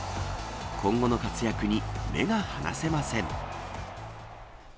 今後の活躍に目が離せません。